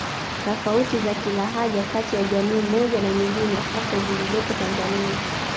Tofauti za kilahaja kati ya jamii moja na nyingine hasa zilizopo Tanzania